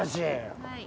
はい。